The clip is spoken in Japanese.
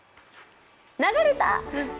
流れた。